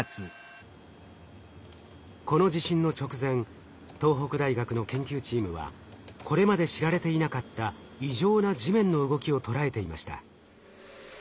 この地震の直前東北大学の研究チームはこれまで知られていなかった異常な地面の動きを捉えていました。